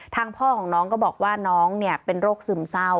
พ่อของน้องก็บอกว่าน้องเป็นโรคซึมเศร้า